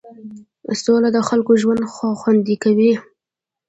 سوله د خلکو ژوند خوندي کوي.